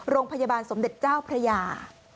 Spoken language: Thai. โรงพยาบาลสมเด็จเจ้าพระยา